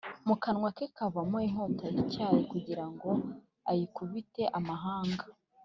Mu kanwa ke havamo inkota ityaye kugira ngo ayikubite amahanga,